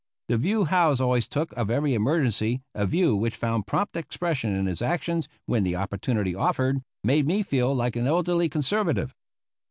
The view Howze always took of every emergency (a view which found prompt expression in his actions when the opportunity offered) made me feel like an elderly conservative.